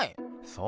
そう。